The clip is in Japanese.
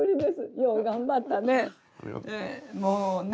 よう頑張ったね。